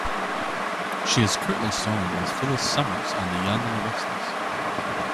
She is currently starring as Phyllis Summers on "The Young and the Restless".